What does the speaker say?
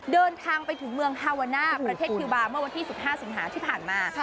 เดินทางไปถึงเมืองฮาวาน่าประเทศคิวบาร์เมื่อวันที่๑๕สิงหาที่ผ่านมา